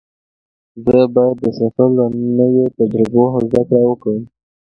زه باید د سفر له نویو تجربو زده کړه وکړم.